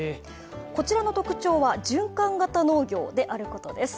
こちらの特徴は循環型農業であることです。